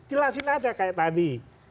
jelasin aja kayak tadi